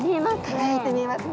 輝いて見えますね。